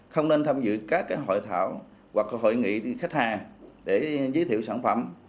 không nên tham dự các hội thảo hoặc hội nghị khách hàng để giới thiệu sản phẩm